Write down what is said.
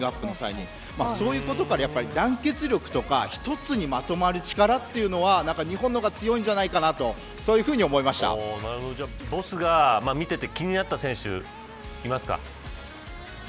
そういうことから、団結力とか一つにまとまる力というのは日本の方が強いんじゃないかなボスが見ていて気になった選手いますか。